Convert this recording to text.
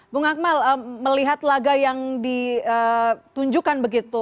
bung akmal melihat laga yang ditunjukkan begitu